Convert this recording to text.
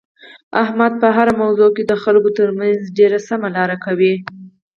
احمد په هره موضوع کې د خلکو ترمنځ ډېره سمه لاره کوي.